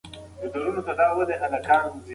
د پښتو شعر په تېرو دورو کې ډېر تحولات لیدلي دي.